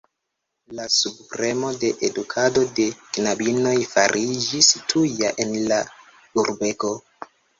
La subpremo de edukado de knabinoj fariĝis tuja en la urbego.